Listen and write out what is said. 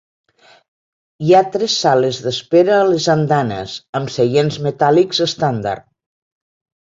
Hi ha tres sales d'espera a les andanes amb seients metàl·lics estàndard.